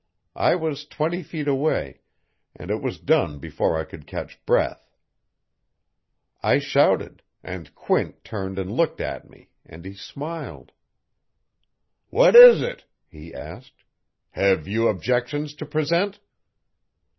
I was twenty feet away, and it was done before I could catch breath. I shouted; and Quint turned and looked at me, and he smiled. "'What is it?' he asked. 'Have you objections to present?'